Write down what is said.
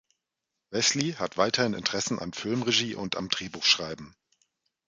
Wesley hat weiterhin Interessen an Filmregie und am Drehbuch schreiben.